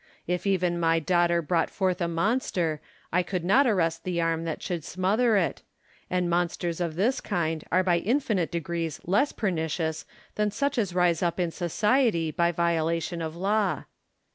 If even my daughter brought forth a monster, I could not arrest the arm that should smother it : and monsters of this kind are by infinite degrees less pernicious than such as rise up in society by violation of law.